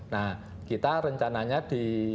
nah kita rencananya di